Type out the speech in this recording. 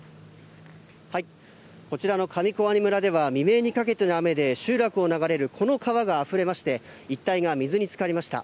こちらの上小阿仁村では、未明にかけての雨で集落を流れるこの川があふれまして、一帯が水につかりました。